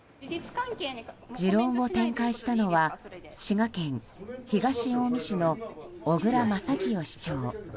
持論を展開したのは滋賀県東近江市の小椋正清市長。